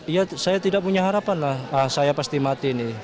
ya saya tidak punya harapan lah saya pasti mati ini